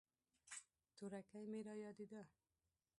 تورکى مې رايادېده.